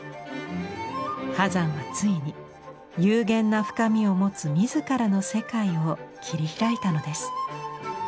波山はついに幽玄な深みを持つ自らの世界を切り開いたのです。